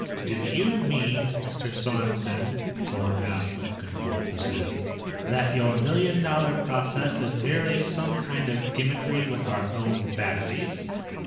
"Do you mean, Mr. Sorensen," Thorn asked with controlled precision, "that your million dollar process is merely some kind of gimmickry with our own batteries?"